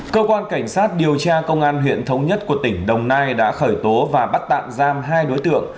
cơ quan cảnh sát điều tra công an huyện thống nhất của tỉnh đồng nai đã khởi tố và bắt tạm giam hai đối tượng